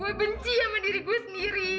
gue benci sama diri gue sendiri